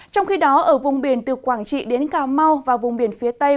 trong khi đó ở vùng biển từ quảng trị đến cà mau và vùng biển phía tây